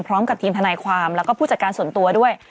พร้อมกับทีมทนายความแล้วก็ผู้จัดการส่วนตัวด้วย